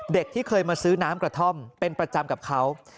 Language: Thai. ที่เคยมาซื้อน้ำกระท่อมเป็นประจำกับเขา